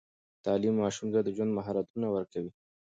تعليم ماشوم ته د ژوند مهارتونه ورکوي.